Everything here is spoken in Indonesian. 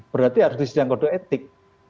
berarti harus di sidang kode etik